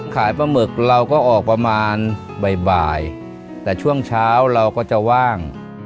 ปลาหมึกเราก็ออกประมาณบ่ายแต่ช่วงเช้าเราก็จะว่าง